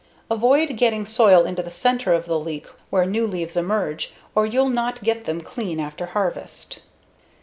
Avoid getting soil into the center of the leek where new leaves emerge, or you'll not get them clean after harvest.